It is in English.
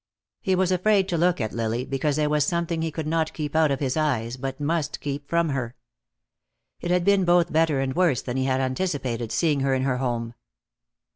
He was afraid to look at Lily, because there was something he could not keep out of his eyes, but must keep from her. It had been both better and worse than he had anticipated, seeing her in her home.